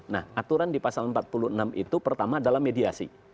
nah aturan di pasal empat puluh enam itu pertama adalah mediasi